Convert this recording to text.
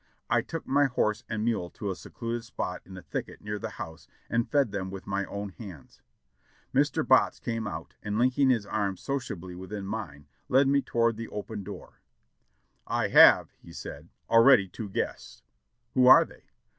I took my horse and mule to a secluded spot in a thicket near the house and fed them with my own hands. Mr. Botts came out, and linking his arm sociably within mine, led me toward the open door. "I have," said he, "already two guests." "Who are they?"